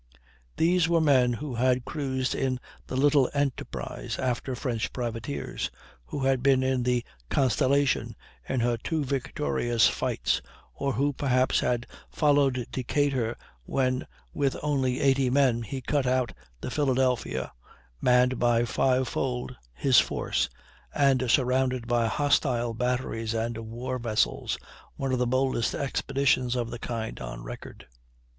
These were men who had cruised in the little Enterprise after French privateers, who had been in the Constellation in her two victorious fights, or who, perhaps, had followed Decatur when with only eighty men he cut out the Philadelphia, manned by fivefold his force and surrounded by hostile batteries and war vessels, one of the boldest expeditions of the kind on record.